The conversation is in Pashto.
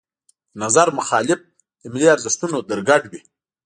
د نظر مخالف د ملي ارزښتونو درګډ وي.